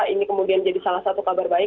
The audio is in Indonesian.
ini kemudian jadi salah satu kabar baik